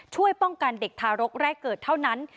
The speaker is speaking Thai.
ช่วยป้องกันเด็กทารกแรกเกิดเท่านั้น